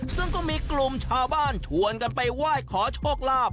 ซึ่งก็มีกลุ่มชาวบ้านชวนกันไปไหว้ขอโชคลาภ